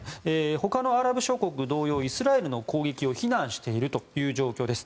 ほかのアラブ諸国同様イスラエルの攻撃を非難しているという状況です。